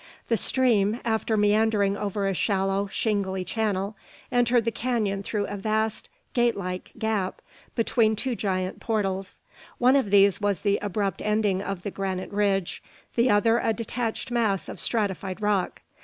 The stream, after meandering over a shallow, shingly channel, entered the canon through a vast gate like gap, between two giant portals. One of these was the abrupt ending of the granite ridge, the other a detached mass of stratified rock.